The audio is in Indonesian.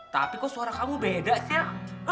tapi kok suara kamu beda sion